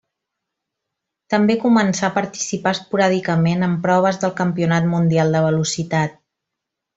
També començà a participar esporàdicament en proves del Campionat Mundial de velocitat.